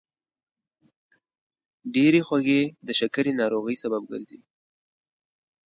ډېرې خوږې د شکرې ناروغۍ سبب ګرځي.